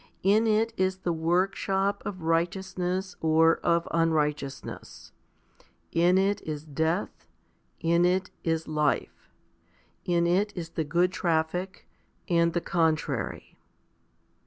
In it is the workshop of righteousness or of unrighteousness. In it is death ; in it is life. In it is the good traffic, and the contrary.